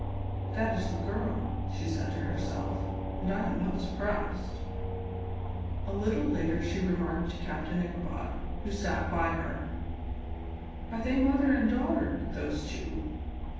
"That is the girl," she said to herself, "and I am not surprised." A little later she remarked to Captain Ichabod, who sat by her: "Are they mother and daughter, those two?"